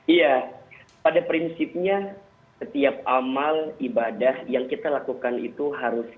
iya pada prinsipnya setiap amal ibadah yang kita lakukan itu harus